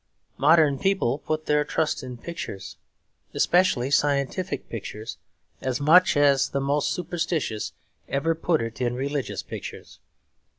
Modern people put their trust in pictures, especially scientific pictures, as much as the most superstitious ever put it in religious pictures.